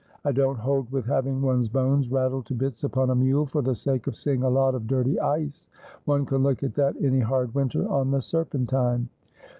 I don't hold with having one's bones rattled to bits upon a mule for the sake of seeing a lot of dirty ice. One can look at that any hard winter on the Serpentine.'